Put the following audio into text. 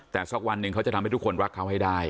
แต่สักวันหนึ่งเขาจะทำให้ทุกคนรักเขาให้ได้